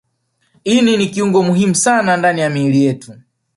Ini ni kiungo muhimu sana ndani ya miili yetu